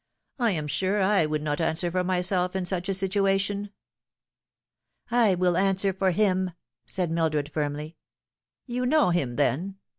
" I am sure I would not answer for myself in such a situation." " I will answer for him" said Mildred firmly. " You know him, then